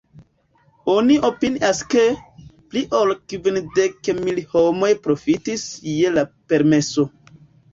Oni opinias ke, pli ol kvindek mil homoj profitis je la permeso.